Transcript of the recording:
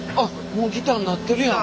もうギターになってるやん。